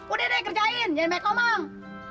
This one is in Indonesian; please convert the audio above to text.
udah deh kerjain jangan baik baik omang